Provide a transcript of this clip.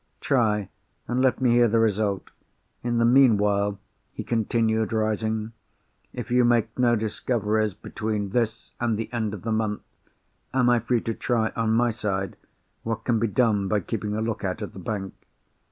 Try, and let me hear the result. In the meanwhile," he continued, rising, "if you make no discoveries between this, and the end of the month, am I free to try, on my side, what can be done by keeping a lookout at the bank?"